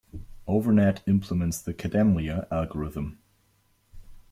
Overnet implements the Kademlia algorithm.